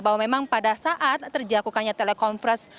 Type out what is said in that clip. bahwa memang pada saat terjakukannya telekonferensi